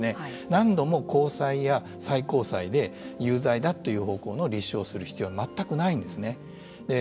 何度も高裁や最高裁で有罪だという方向の立証をする必要は全くないんですね。